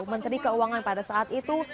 menteri keuangan pada saat itu